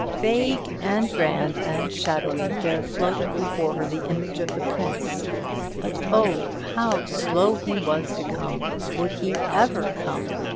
Vague, and grand, and shadowy, there floated before her the image of the prince; but, oh, how slow he was to come! Would he ever come?